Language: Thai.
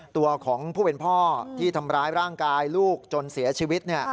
ตัวของผู้เป็นพ่อที่ทำร้ายร่างกายลูกจนเสียชีวิต